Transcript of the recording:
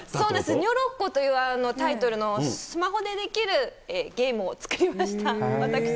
にょろっこというタイトルのスマホでできるゲームを作りました、私。